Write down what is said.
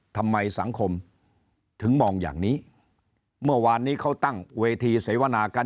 ทำไมสังคมถึงมองอย่างนี้เมื่อวานนี้เขาตั้งเวทีเสวนากัน